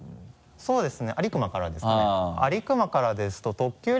そうですね